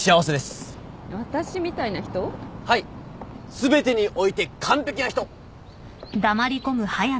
全てにおいて完璧な人！